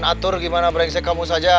atur gimana brengsek kamu saja